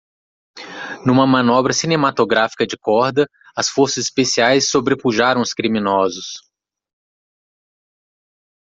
Numa manobra cinematográfica de corda?, as forças especiais sobrepujaram os criminosos.